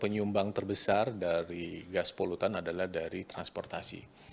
penyumbang terbesar dari gas polutan adalah dari transportasi